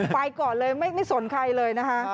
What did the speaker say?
ไปก่อนเลยไม่สนใครเลยนะคะ